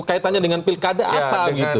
kaitannya dengan pilkada apa gitu